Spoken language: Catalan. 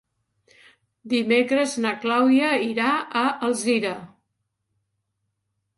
Dimecres na Clàudia irà a Alzira.